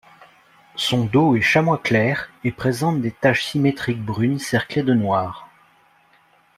Son dos est chamois clair et présente des taches symétriques brunes cerclées de noir.